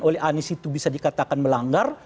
oleh anies itu bisa dikatakan melanggar